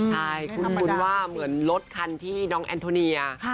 ใช่คุ้นว่าเหมือนรถคันที่น้องแอนโทเนีย